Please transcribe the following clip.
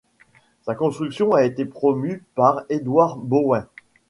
Sa construction a été promue par Edward Bowen.